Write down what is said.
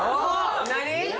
何？